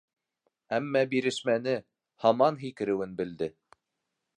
Әммә бирешмәне, һаман һикереүен белде.